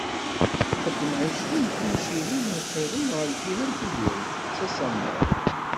Ixdem ɛecrin n tencirin i uqiḍun ɣer lǧiha n Tuburet, s asammer.